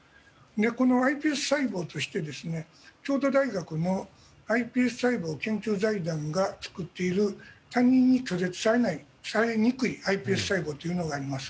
このｉＰＳ細胞として京都大学のｉＰＳ細胞研究財団が作っている他人に拒絶されにくいｉＰＳ細胞があります。